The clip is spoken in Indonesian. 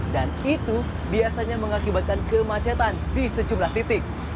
dan itu biasanya mengakibatkan kemacetan di sejumlah titik